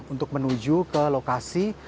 untuk menuju ke lokasi